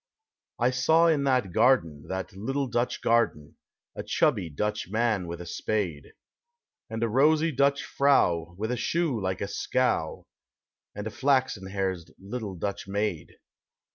I saw in that garden, that little Dutch garden, A chubby Dutch man with a spade, And a rosy Dutch frau with a shoe like a scow. And a Haxen haired little Dutch maid.